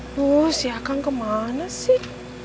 aduh si akan kemana sih